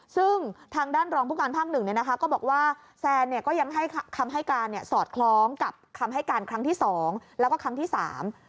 ซึ่งทางด้านรองผู้การภาคหนึ่งเนี่ยนะคะก็บอกว่าแซนเนี่ยก็ยังให้คำให้การเนี่ยสอดคล้องกับคำให้การครั้งที่สองแล้วก็ครั้งที่สาม